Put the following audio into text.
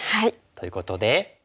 ということで。